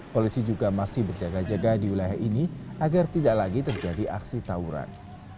polisi juga masih berjaga jaga di wilayah ini agar tidak lagi terjadi aksi tawuran